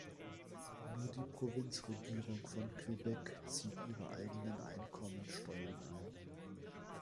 Nur die Provinzregierung von Quebec zieht ihre eigenen Einkommenssteuern ein.